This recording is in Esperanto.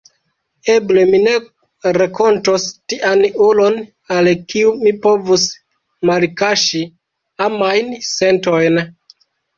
Eble mi ne renkontos tian ulon, al kiu mi povus malkaŝi amajn sentojn.